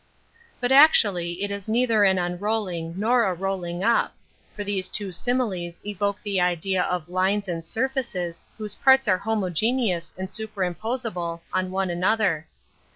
But actually it is neither an unrolling nor a rolling up, for these two similes evoke the idea of lines and surfaces whose parts are homogeneous and superposable on one another?